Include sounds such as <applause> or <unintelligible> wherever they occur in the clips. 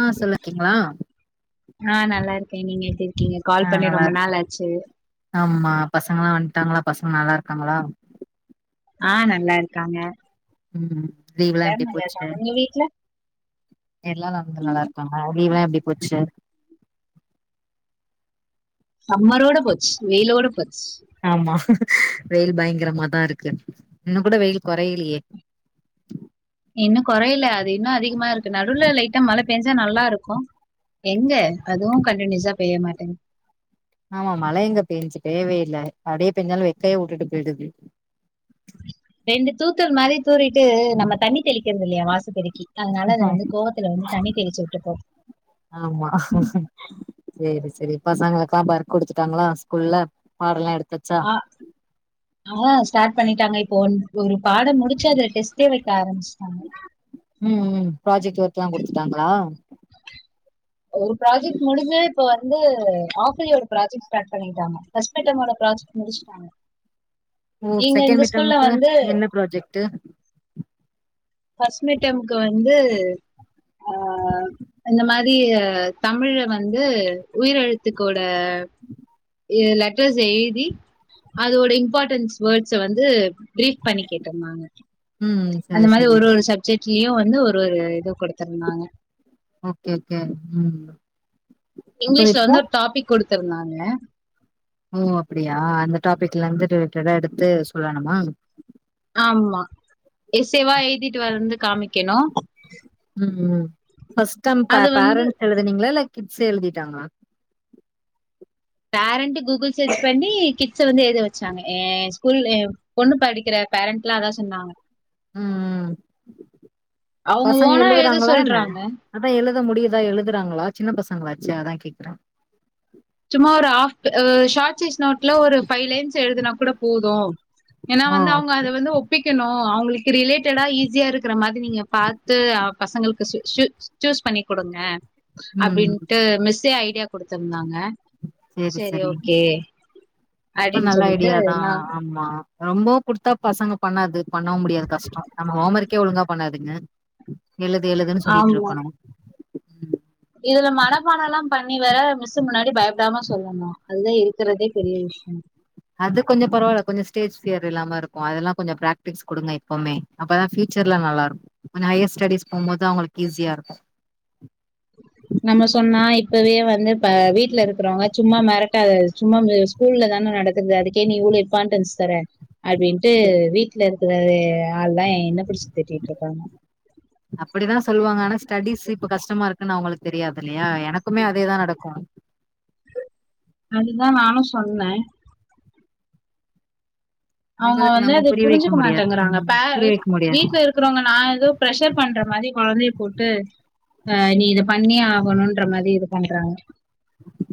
ஆ சொல்லிருக்கீங்களா ஆ நல்லா இருக்கே நீங்க எப்டி இருக்கீங்க ஆ கால் பண்ணி நல்லா ரொம்ப இருக்கோ நாள் ஆச்சு ஆமா பசங்களா வந்துட்டாங்களா பசங்க நல்லா இருக்காங்களா ஆ நல்லா இருக்காங்க ம் லீவுல்லா எல்லாரு எப்டி நல்லா போச்சு இருக்காங்க உங்க வீட்ல எல்லா நந்து நல்லா இருக்காங்க லீவுலா எப்டி போச்சு சம்மரோட போச்சு வெயிலோட போச்சு ஆமா வெயில் பயங்கரமாதா இருக்கு இன்னு கூட வெயில் கொறையலையே இன்னு கொறையல அது இன்னு அதிகமா இருக்கு நடுவுல லைட்டா மழ பேஞ்சா நல்லா இருக்கு எங்க அதுவு கண்டினியூஸா பேய மாட்டேங் ஆமா மழ எங்க பெயிஞ்சு பேயவேல்ல இல்ல அப்டியே பெஞ்சாலு வெக்கைய வுட்டுட்டு போயிடுது ரெண்டு தூத்தல் மாரி தூரிட்டு நம்ம தண்ணி தெளிக்கிறது இல்லையா வாச பெருக்கி அதனால அத வந்து கோவத்துல வந்து தண்ணி தெளிச்சு விட்டுப்போது ஆமா செரி செரி பசங்களுக்குல்லா வொர்க் குடுத்துட்டாங்களா ஸ்கூல்ல பாட எல்லா எடுத்தாச்சா ஆ ஆ ஸ்டார்ட் பண்ணிட்டாங்க இப்போ ஒன் ஒரு பாடோ முடிச்சு அத டெஸ்ட்டே வைக்க ஆரம்பிச்சட்டாங்க ம் ம் ப்ராஜெக்ட் ஒர்க்ல்லா குடுத்துட்டாங்களா ஒரு ப்ராஜெக்ட் முடிஞ்சு இப்ப வந்து ஹால்ப் ஏர்லியோட ப்ராஜெக்ட் ஸ்டாட் பண்ணிட்டாங்க எஸ்பெக்டட் ஃபர்ஸ்ட் மிட்டமோட ப்ராஜெக்ட் முடிச்சு அ ஓ செகண்ட் மிட்டம்க்கு வந்து என்ன ப்ராஜெக்டு ஃபஸ்ட் மிட்டம்கு வந்து ஆ இந்த மாரி தமிழ்ல வந்து உயிரெழுத்துக்கோட லெட்டர்ஸ் எழுதி அதோட இம்பார்ட்டன்ஸ் வேர்ட்ஸ வந்து பிரீஃப் பண்ணி கேட்டோ நாங்க ம் செரி செரி ஒரு சப்ஜெக்ட்லயு வந்து ஒரு ஒரு இது கொடுத்தருந்தாங்க ஓகே ஓகே ம் அப்ப இங்கிலீஷ்ல இப்போ வந்து ஒரு டாபிக் கொடுத்துருந்தாங்க ஓ அப்டியா அந்த டாபிக்ல இருந்து ரிலேட்டடா எடுத்து சொல்லனுமா ஆமா எஸ்சேவா எழுதிட்டு வந்து காமிக்கணு ம் ஃபர்ஸ்ட் டேர்ம் அது வந்து பேரண்ட்ஸ் எழுதினீங்களா இல்ல கிட்ஸ் எழுதிட்டாங்களா பேரண்ட் கூகுள் சர்ச் பண்ணி கிட்ஸ வந்து எழுத வச்சாங்க ஏ ஸ்கூல் ல பொண்ணு படிக்கிற பேரண்ட் எல்லா அதா சொன்னாங்க ம் ம் அவுங்க பசங்க ஓனா எழுத எழுதுறாங்களா என்ன சொல்றாங்க அதா எழுத முடியுதா எழுதுறாங்களா சின்ன பசங்களாச்சே அதா கேக்கற சும்மா ஒரு ஹாஃப் ஷார்ட் சைஸ் நோட்ல ஒரு ஃபைவ் லைன்ஸ் எழுதுனா கூட போது ஏன்னா ஓ வந்து அவங்க அத வந்து ஒ ஒப்பிக்கணு அவங்களுக்கு ரிலேட்டடா ஈஸியா இருக்கற மாதிரி நீங்க பாத்து பசங்களுக்கு ஷி சூஸ் பண்ணி குடுங்க ம் அப்டின்ட்டு மிஸ்ஸே ஐடியா குடுத்திருந்தாங்க சேரி சரி அப்ப அப்டின்னு நல்ல சொல்லிட்டு ஐடியாதா நா ஆமா ரொம்ப குடுத்தா பசங்க பண்ணாது பண்ணவு முடியாது கஷ்டோ நம்ம ஹோம் ஒர்க்கே ஒழுங்கா பண்ணாதுங்க எழுது எழுதுன்னு சொல்லிட்டு ஆமா இருக்கணு ம் இதுல மனப்பாடலா பண்ணி வேற மிஸ்ஸு முன்னாடி பயப்படாம சொல்லணு அதுதா இருக்கறதே பெரிய விஷ்யோ அது கொஞ்ச பரவால்ல கொஞ்ச ஸ்டேஜ் ஃபியர் இல்லாம இருக்கு அதெல்லா கொஞ்ச பிராக்டிஸ் கொடுங்க எப்பவ்மே அப்பதா ஃபியூச்சர்ல நல்லா இருக்கு கொஞ்ச ஹையர் ஸ்டெடீஸ் போம்போது அவங்களுக்கு ஈஸியா இருக்கு நம்ம சொன்னா இப்பவே வந்து வீட்ல இருக்கறவங்க சும்மா மெரட்டாத சும்மா ஸ்கூல்ல தான நடக்குது அதுக்கே நீ இவ்ளோ இம்பார்டன்ஸ் தர அப்டின்ட்டு வீட்ல இருக்கிற ஆள் லா என்ன புடிச்சு திட்டிட்டு இருக்காங்க அப்டித்தா சொல்லுவாங்க ஆனா ஸ்டடிஸ் இப்ப கஷ்டமா இருக்குன்னு அவங்களுக்கு தெரியாது இல்லையா எனக்குமே அதேதா நடக்கு அதுதா நானு சொன்ன அவங்க அவங்களுக்கு வந்து நம்ம அத புரிய வைக்க புரிஞ்சிக்க முடியாது மாட்டேங்கறாங்க ம். பே புரிய வைக்க முடியாது வீட்ல இருக் றவங்க நா எதோ ப்ரெஷர் பண்ற மாரி கொழந்தைய போட்டு ஆ நீ இத பண்ணியே ஆகணுன்ற மாரி இது பண்றாங்க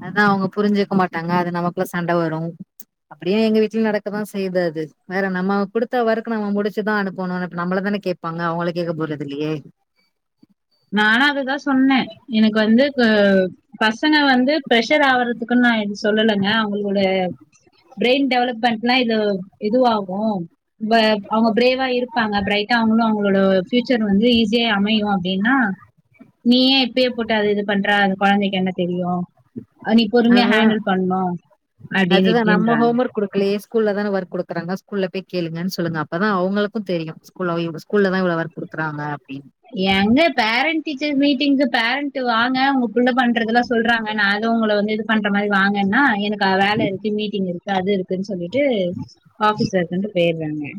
அத அவங்க புரிஞ்சிக்க மாட்டாங்க அது நமக்குள்ள சண்ட வரு அப்டியே எங்க வீட்ல நடக்கதா செய்யுது அது வேற நம்ம கொடுத்த ஒர்க் நம்ம முடிச்சுதா அனுப்ப நம்மள தான கேப் பாங்க அவங்கள கேக்க போறதில்லையே நானு அததா சொன்ன எனக்கு வந்து பசங்க வந்து பிரஷர் ஆவறதுக்குன்னு நா இது சொல்லலங்க அவங்களோட பிரெயின் டெவலப்மெண்ட்னா இது இதுவாகு அவங்க பிரேவா இருப்பாங்க பிரைட்டா அவங்களு அவங்களோட ஃபியூச்சர் வந்து ஈஸியா அமையு அப்டின்னா நீயே இப்பவே போட்டு இது பண்ற அந்த கொழந்தைக்கு என்ன தெரியு நீ பொறுமையா அதுதா ஹாண்டில் பண்னு அப்டின்னிட்டின்றாங்க குடுக்கலே ஸ்கூல்ல தான ஒர்க் குடுக்குறாங்க ஸ்கூல்ல போய் கேளுங்க சொல்லுங்க அப்பதா அவங்களுக்கு தெரியு ஸ்கூல இவங்க ஸ்கூல்ல தா இவ்ள ஒர்க் குடுக்குறாங்க அப்டினு எங்க பேரண்ட் டீச்சர் மீட்டிங்கு பேரண்ட் வாங்க உங்க புள்ள பண்றதெல்லா சொல்றாங்க நானு உங்கள வந்து இது பண்ற மாரி வாங்கன்னா எனக்கு வேலஇருக்கு மீட்டிங் இருக்கு அது இருக்குன்னு சொல்லிட்டு ஆஃபீஸ் இருக்குனு போய்ட்றாங்க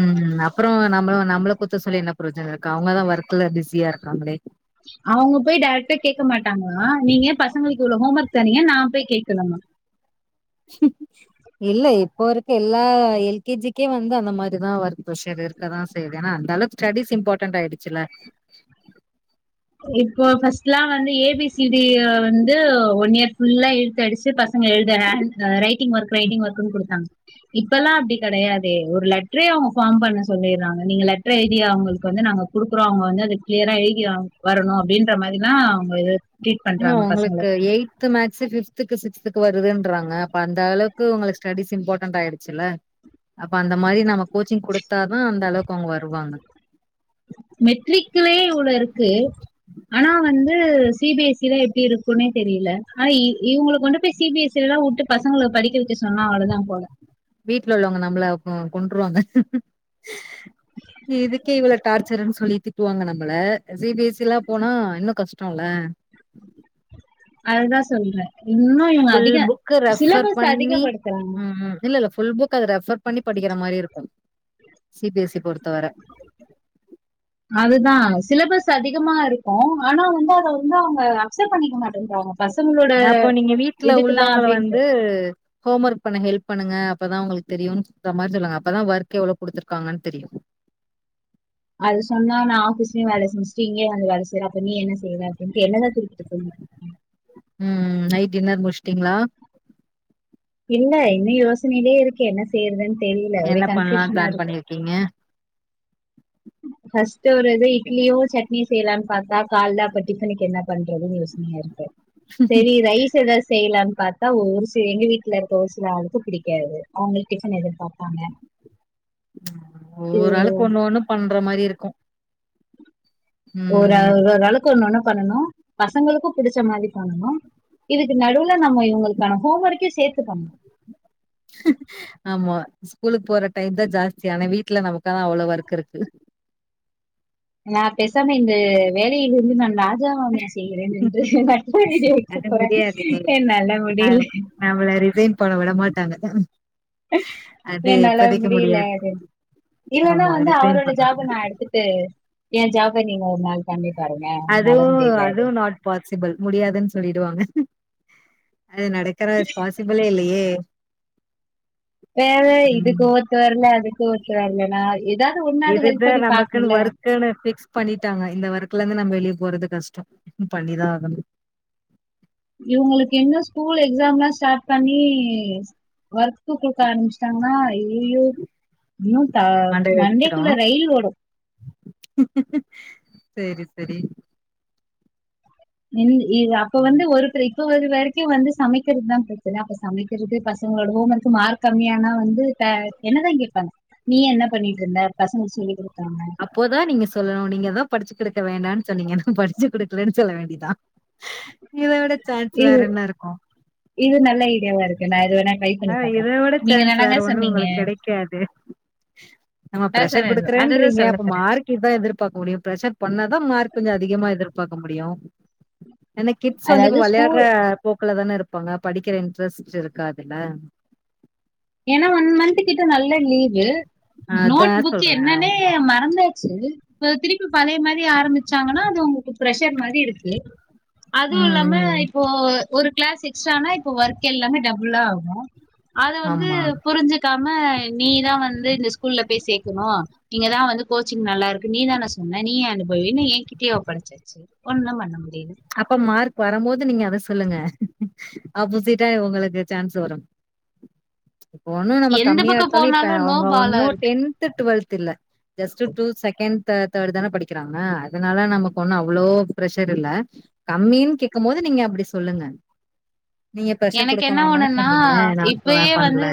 ம் அப்றோ நம்ம நம்மள குத்த சொல்லி என்ன ப்ரோஜன இருக்கு அவங்கதா ஒர்க்ல பிஸியா இருக்காங்களே அவங்க போய் டேரெக்டா கேக்க மாட்டாங்களா நீங்க ஏ பசங்களுக்கு இவ்ளோ ஹோம் ஒர்க் தர்ரீங்க நா போய் கேக்கனுமா இல்ல இப்போ இருக்க எல்லா எல் கே ஜி க்கே வந்து அந்த மாதிரிதா ஒர்க் ப்ரஷர் இருக் இருக்கதா செய்து ஏன்னா அந்தளவு ஸ்டடிஸ் இம்பார்டன்ட் ஆயிடுச்சுல இப்போ ஃபர்ஸ்ட்லா வந்து ஏ பி சி டி வந்து ஒன் இயர் ஃபுல்லா இழுத்தடிச்சு பசங்க எழுத ரைட்டிங் ஒர்க் ரைட்டிங் ஒர்க்ன்னு குடுத்தாங்க இப்பலா அப்டி கெடையாதே ஒரு லெட்டரே அவுங் ஃபாம் பண்ண சொல்லிறாங்க நீங்க லெட்ர் எழுதி அவுங்களுக்கு வந்து நாங் குடுக்றோங்க வந்து அது கிளியரா எழுதி வரணு அப்டின்ற மாரிலா அவுங்க இன்னு உங்களுக்கு எய் த்து மேக்ஸ் பிப்துக்கு சிக்ஸ்துக்கு வருதுறாங்க அப்ப அந்தளவுக்கு உங்க ஸ்டடிஸ் இம்பார்டன்ட் ஆயிடுச்சுல்ல அப்ப அந்த மாதிரி நம்ம கோச்சிங் குடுத்தாதா அந்த அளவுக்கு அவுங்க வருவாங்க மெட்ரிக்லே இவ்ளோ இருக்கு ஆனா வந்து சி பி எஸ் சிலா எப்டி இருக்குனே தெரில ஆனா இவுங்கல கொண்டு போய் சி பி எஸ் சிலா விட்டு பசங்கள படிக்க வக்க சொன்னா அவ்ளோதா போல வீட்ல உள்ளவங்க நம்மள கொ கொண்ருவாங்க இதுக்கே இவ்ளோ டார்ச்சர்னு சொல்லி திட்டுவாங்க நம்மள சி பி எஸ் சி லா போனா இன்னு கஷ்டோல அதுதா சொல்ற இன்னு இவுங்க ஃபுல் அதிக புக்கு ரெஃபர் சிலபஸ் பண்ணி அதிகப்படுத்றாங்க ம் ம் இல்ல இல்ல ஃபுல் புக் அத ரெஃபர் பண்ணி படிக்கற மாரி இருக்கும சி பி எஸ் சி பொறுத்தவர அதுதா சிலபஸ் அதிகமா இருக்கு ஆனா வந்து அத வந்து அவுங்க அக்செப்ட் பண்ணிக்க மாட்டேன்றாங்க பசங்களோட அப்போ நீங்க வீட்ல இதுக்குதான் உள்ளவுங்கள அப்படின்ட்டு வந்து ஹோம் ஒர்க் பண்ண ஹெல்ப் பண்ணுங்க அப்பதா உங்களுக்கு தெரியு சொல்ற மாரி சொல்ங்க அப்பதா ஒர்க் எவ்ளோ குடுத்திருக்காங்க தெரியு அது சொன்னா நா ஆபீஸ்லயு வேல செஞ்ச்சுட்டு இங்கயு வந்து வேல செய்ற அப்ப நீ என்ன செய்ற அப்படின்ட்டு என்ன தா திருப்பி கேப்பாங்க ம் நைட் டின்னர் முடிச்சிடிங்ளா இல்ல இன்னு யோசனையிலே இருக்கு என்ன செய்றதுனு தெர்ல ஒரே கன்ஃபியூஷனா இருக்கு ப்பீங்க ஃபஸ்டு ஒரு இது இட்லியு சட்னி செய்லானு பாத்த கால்ல அப்ப டிஃபனுக்கு என்ன பண்றதுனு யோ சேரி ரைஸ் ஏதாது செய்லாமே பாத்தா ஒரு சில எங்க வீட்ல இருக்க ஒரு சில ஆளுக்கு பிடிக்காது அவுங்களுக் டிஃபன் எதிர்பாப்பாங்க ஒரு ஆளுக்கு ஒண்ணு ஒண்ணு பண்ற மாரி இருக்கு ஒரு ம் அளுக்கு ஒன்னு ஒன்னு பண்ணனு பசங்களுக்கு புடிச்ச மாரி பண்ணு இதுக்கு நடுவுவ நம்ம இவுங்களுக்கான ஹோம் ஒர்க்யு சேத்து பண்ணணு ஆமா ஸ்கூலுக்கு போற டைம் தா ஜாஸ்தி ஆனா வீட்ல நமக்காக அவ்ளோ ஒர்க் இருக்கு நா பேசாமே இந்த வேலையில இருந்து நா நட் <unintelligible> வீடியோ வைக்க அது போற என்னால முடில நம்மல ரிசைன் பண்ண விட மாட்டாங்க அது இப்பதிக்கி முடியாது இல்லனா ஆமா வந்து ரிசைன் அவரோட பண்ண விட ஜாப நா மாட்டாங்க எடுத்துட்டு ஏ ஜாப நீங்க ஒரு நாள் பண்ணி பாருங்க என்னால முடில பாசிபள் முடியாதுனு சொல்லிடுவாங்க அது நடக்கற பாசிபிளே இல்லையே வேற இதுக்கு ம் ஓத்து வரல அதுக்கு ஓத்து வரலனா இதாது இதுதா நமக்குனு ஓர்க் குனு ஃபிக்ஸ் பண்ணிடாங்க இந்த ஒர்க்ல இருந்து நம்ம வெளியே போறது கஷ்டோ பண்ணிதா ஆகணு இவுங்களுக்கு என்ன ஸ்கூல் எக்ஸாம்லா ஸ்டார்ட் பண்ணி குடுக்க ஆரம்பிச்சிட்டாங்னா ஐயயோ இன்னு த மண்டைய வெடிச்சிடு மண்டேக்குள்ள ரயில் ஓடு சேரி சேரி இது அப்ப வந்து ஒரு ப்ரைக் இப்போ வரைக்கு வந்து சமைக்கறது தா ப்ரச்சன அப்ப சமைக்கறது பசங்களோட ஹோம் ஓர்க் மார்க் கம்மியானா வந்து பே என்னதா கேப்பாங்க நீ என்ன பண்ணிட்டு இருந்த பசங்களுக் சொல்லிகுடுக்காம அப்போதா நீங்க சொல்லணு நீங்க தா படிச்சு கொடுக்க வேண்டானு சொன்னீங்கா படிச்சு கொடுக்கலனு சொல்ல வேண்டிதா இத விட சான்ஸ் இது வேற என்ன இருக்கு இது நல்ல ஐடியாவ இருக்கு நா இத வேணா ட்ரை ஆ பண்ணி பாக்குறே இத விட நீங்க சான்ஸ் வேற தானங்க ஒண்ணு சொன்னீங்க உங்களுக்கு கெடைக்காது நம்ம அதான் ப்ரெஷர் சொன்னே அததான் குடுக்குறேன்றீங்க சொல்ல அப்ப போறே மார்க் கிதா எதிர்பாக்க முடியு ப்ரெஷர் பண்ணாதா மார்க் கொஞ்சோ அதிகமா எதிர்பாக்க முடியு ஏனா கிட்ஸ் வந்து இப்ப அதாவது ஸ்கூல் வெளையாடுற போக்குல தான இருப்பாங்க படிக்கிற இன்ட்ரெஸ்ட் இருக்காதுல ஏனா ஒன் மந்த் கிட்ட நல்ல லீவு அதா நோட் புக் சொல்றே என்னன்னே ஆமா மறந்தாச்சு இப்ப திருப்பி பழைய மாரி ஆரம்பிச்சாங்கனா அது உங்களுக்கு ப்ரெஷர் மாரி இருக்கு அதுவு இல்லாம ம் ம் இப்போ ஒரு கிளாஸ் எக்ஸ்டானா இப்ப ஒர்க் எல்லாமே டபுளா ஆகு அத வந்து ஆமா புரிஞ்சு க்காம நீதா வந்து இந்த ஸ்கூல்ல போய் சேக்கணு இங்கதா வந்து கோச்சிங் நல்லா இரு க்கு நீ தான சொன்ன நீயே அனுபவின்னு எ கிட்டயே ஒப்படச்சாச்சு ஒண்ணு பண்ண முடியாது அப்ப மார்க் வரபோது நீங்க அத சொல்லுங்க ஆப்போ ஃபிட்டாய் உங்களுக்கு சான்ஸ் வரு இப்ப ஒண்ணு நம்ம எந்த கம்மியா பக்கம் எடுத்தாலு இப்ப போனாலும் நோ அவுங்க பாலா ஒன்னு இருக்கு டென்த் டுவெல்த் இல்ல just two second third third தான படிக்கிறாங்க அதனால நமக்கு ஒண்ணு அவ்ளோ பிரெஷர் இல்ல கம்மின்னு கேக்கு போது நீங்க அப்டி சொல்லுங்க நீங்க ப்ரெஷர் எனக்கு குடுக்க என்ன வேணான்னு ஒண்ணுன்னா சொன்னீங்க நா இப்பயே வந்து பண்ல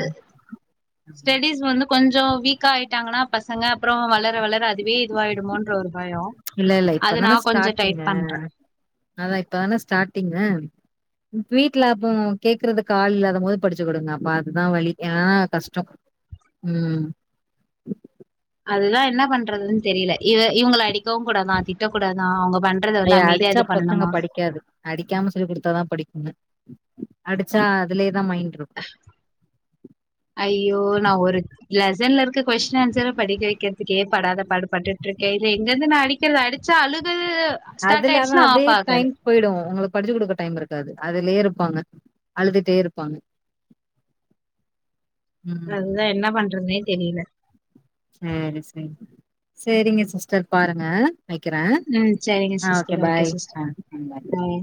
ஸ்டெடிஸ் வந்து கொஞ்சோ வீக்கா ஆயிட்டாங்கனா பசங்க அப்றோ வளர வளர அதி அதுவே இதுவாயிடுமோன்ற ஒரு பயோ இல்ல இல்ல அத நா இப்பதான கொஞ்சோ டைட் ஸ்டார்ட்டிங்கு பண்றே அதா இப்பதான ஸ்டார்ட்டிங்கு இப் வீட்ல அப்போ கேக்குறதுக்கு ஆள் இல்லாத போது படிச்சு குடுங்க அப்ப அதுதா வழி ஏனா கஷ்டோ ம் அதுதா என்ன பண்றதுன்னு தெரில இது இவுங்கள அடிக்கவு கூடாதா திட்டக்கூடாதா அவுங்க பண் அயே அடிச்சா பசங்க படிக்காது அடிக்காம சொல்லி குடுத்தாதா படிக்குங்க அடிச்சா அதுலயே தா மைண்ட் ருக்கு அய்யோ நா ஒரு லெசன்ல இருக்க கொஸ்டின் ஆன்சர் படிக்க வக்கிறதுக்கே படாத பாடு பட்டுட்டு ருக்கே இதுல எங்கிருந்து நா அடி ச்சிருவே அடிச்சா அழுது ஸ்டார்ட் ஆயிடுச்சுன்னா ஆஃப் ஆகாது போயிடுவோ உங்களுக்கு படிச்சு குடுக்க டைம் இருக்காது அதுலயே இருப்பாங்க அழுதுட்டே இருப்பாங்க ம் அதுதா என்ன பண்றதுனே தெரில சேரி சேரி சேரிங்க சிஸ்டர் பாருங்க வக்கிறே ம் சரிங்க ஆ ஓகே சிஸ்டர் பாய் சிஸ்டர் பாய்